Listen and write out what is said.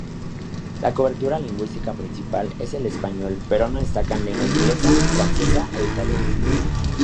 La cobertura lingüística principal es el español pero destacan lengua inglesa, francesa e italiana.